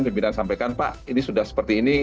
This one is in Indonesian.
pimpinan sampaikan pak ini sudah seperti ini